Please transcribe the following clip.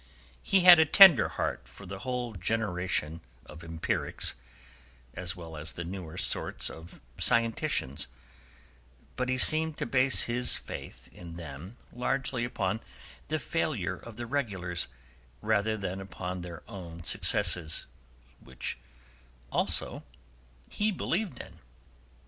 He had a tender heart for the whole generation of empirics, as well as the newer sorts of scientitians, but he seemed to base his faith in them largely upon the failure of the regulars rather than upon their own successes, which also he believed in.